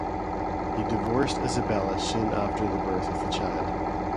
He divorced Izabella soon after the birth of the child.